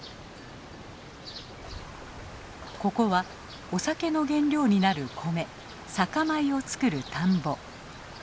ここはお酒の原料になる米酒米を作る田んぼ。